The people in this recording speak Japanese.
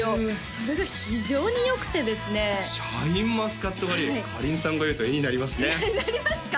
それが非常によくてですねシャインマスカット狩りかりんさんが言うと絵になりますねなりますか？